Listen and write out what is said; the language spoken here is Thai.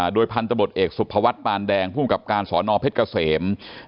โดยพันธบทเอกสุภวัฒน์ปานแดงภูมิกับการสอนอเพชรเกษม